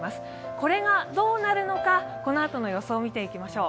これがどうなるのか、このあとの予想を見ていきましょう。